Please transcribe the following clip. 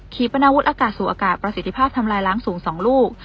ปนาวุธอากาศสู่อากาศประสิทธิภาพทำลายล้างสูง๒ลูก